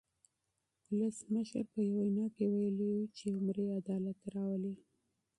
ولسمشر په یوه وینا کې ویلي وو چې عمري عدالت راولي.